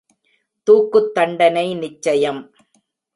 தூக்குத் தண்டனை நிச்சயம்.